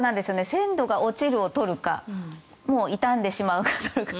鮮度が落ちるを取るかもう傷んでしまうを取るか。